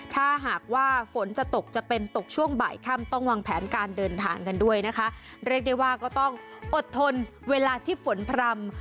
ถ้าหากว่าฝนจะตกจะเป็นตกช่วงบ่ายค่ำต้องวางแผนการเดินทางกันด้วยนะคะเรียกได้ว่าก็ต้องอดทนเวลาที่ฝนพร่ำ